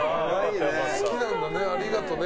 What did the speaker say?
好きなんだね、ありがとうね。